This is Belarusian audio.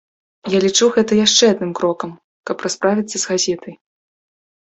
Я лічу гэта яшчэ адным крокам, каб расправіцца з газетай.